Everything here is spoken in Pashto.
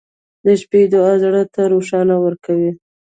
• د شپې دعا زړه ته روښنایي ورکوي.